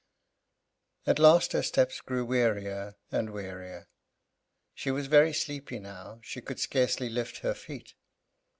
At last her steps grew wearier and wearier. She was very sleepy now, she could scarcely lift her feet.